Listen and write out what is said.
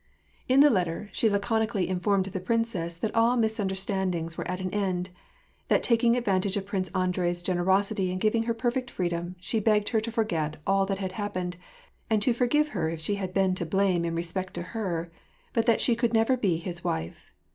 In this letter, WAR AND PEACE. 365 she laconically informed the princess that all misunderstand ings were at an end, that taking advantage of Prince Andrei's generosity in giving her perfect freedom, she begged her to forget all that had happened, and to forgive her if she had been to blame in respect to her ; but that she could never be his wife.